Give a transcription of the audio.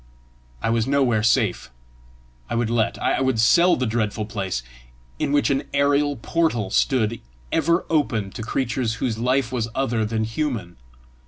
I was nowhere safe! I would let, I would sell the dreadful place, in which an aërial portal stood ever open to creatures whose life was other than human!